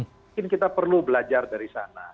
mungkin kita perlu belajar dari sana